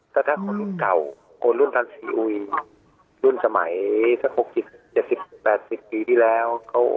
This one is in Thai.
ก็ถ้าคนรุ่นเก่าคนรุ่นทันซีอุยรุ่นสมัยสัก๖๐๗๐๘๐ปีที่แล้ว